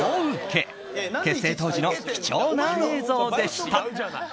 結成当時の貴重な映像でした。